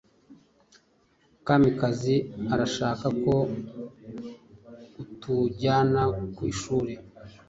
Kamikazi arashaka ko utujyana ku ishuri.